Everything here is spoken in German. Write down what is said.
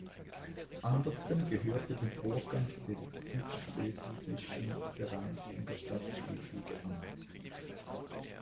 Andersen gehörte dem Vorstand des Südschleswigschen Vereins in der Stadt Schleswig an.